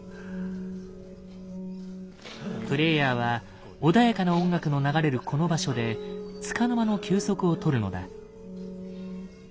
プレイヤーは穏やかな音楽の流れるこの場所でつかの間の休息を取るのだ。